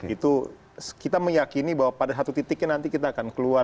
itu kita meyakini bahwa pada satu titiknya nanti kita akan keluar